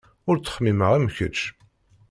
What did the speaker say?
Ur ttxemmimeɣ am kečč.